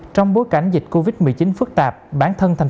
trong tình hình